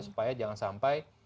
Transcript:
supaya jangan sampai